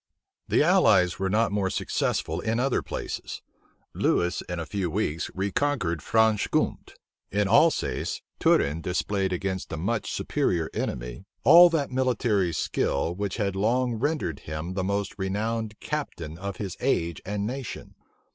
The allies were not more successful in other places. Lewis in a few weeks reconquered Franche Gompte. In Alsace, Turenne displayed, against a much superior enemy, all that military skill which had long rendered him the most renowned captain of his age and nation.